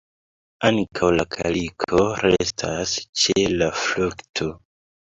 Ankaŭ la kaliko restas ĉe la frukto.